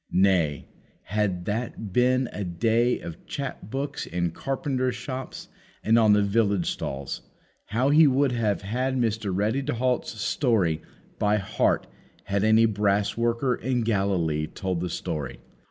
Nay, had that been a day of chap books in carpenters' shops and on the village stalls, how He would have had Mr. Ready to halt's story by heart had any brass worker in Galilee told the history!